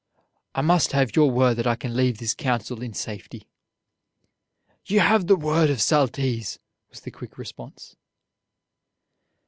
"I must have your word that I can leave this council in safety." "You have the word of Saltese," was the quick response.